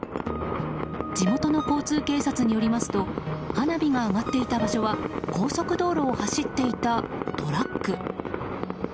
地元の交通警察によりますと花火が上がっていた場所は高速道路を走っていたトラック。